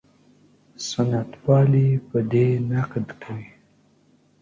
سنت پالي په دې نقد کوي.